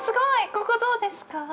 ここどうですか。